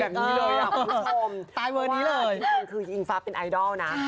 แบบนี้เลยครับคุณผู้ชมว่าจริงคืออิงฟ้าเป็นไอดอลนะ